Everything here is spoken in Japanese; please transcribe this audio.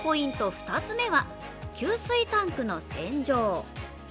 ２つ目は給水タンクの洗浄。